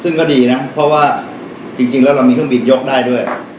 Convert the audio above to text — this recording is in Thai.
ซึ่งก็ดีนะเพราะว่าจริงแล้วเรามีเครื่องบินยกได้ด้วย